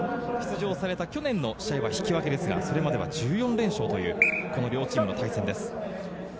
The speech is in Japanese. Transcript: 福岡さんが出場された去年の試合は引き分けですが、それまでは１４連勝という両チームの対戦です。